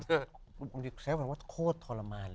ข้อมูลว่าโคตรทรมานเลย